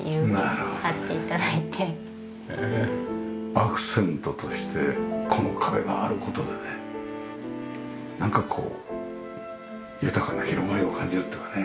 アクセントとしてこの壁がある事でねなんかこう豊かな広がりを感じるっていうかね。